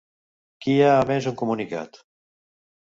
Qui ha emès un comunicat?